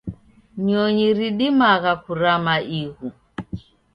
Nyonyi ridimagha kurama ighu.